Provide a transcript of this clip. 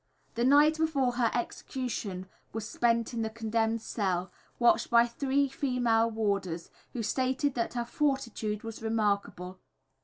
The night before her execution was spent in the condemned cell, watched by three female warders, who stated that her fortitude was remarkable.